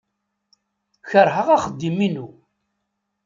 Keṛheɣ axeddim-inu.